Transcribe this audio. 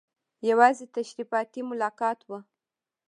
یوازې تشریفاتي ملاقات وو.